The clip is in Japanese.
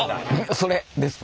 それですわ。